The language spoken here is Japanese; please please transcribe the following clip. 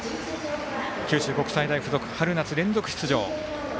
九州国際大付属、春夏連続出場。